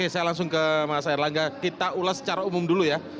saya langsung ke mas erlangga kita ulas secara umum dulu ya